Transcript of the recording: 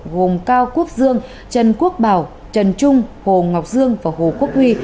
gồm cao quốc dương trần quốc bảo trần trung hồ ngọc dương và hồ quốc huy